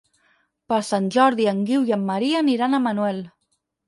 Per Sant Jordi en Guiu i en Maria aniran a Manuel.